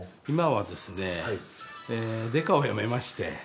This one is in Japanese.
今はですねデカを辞めまして。